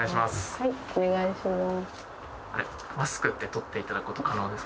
はいお願いします